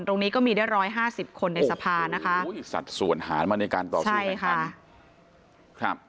ตรงนี้ก็มีได้๑๕๐คนในสภานะคะสัดส่วนหามาในการต่อชุมใหม่คัน